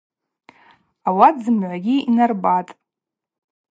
Ауат зымгӏвагьи йнарбатӏ.